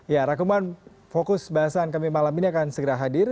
ya rangkuman fokus bahasan kami malam ini akan segera hadir